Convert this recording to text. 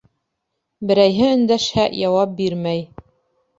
Берәйһе өндәшһә, яуап бирмәй.